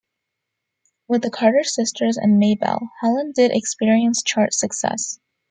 With the Carter Sisters and Maybelle, Helen did experience chart success.